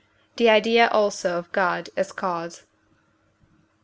the idea also of God as cause.